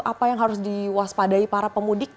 apa yang harus diwaspadai para pemudik